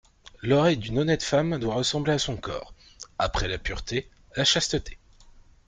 L'oreille d'une honnête femme doit ressembler à son corps ; après la pureté, la chasteté.